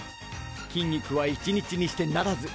筋肉は一日にしてならず。